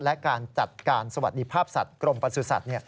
และการจัดการสวัสดีภาพสัตว์กรมประสุทธิ์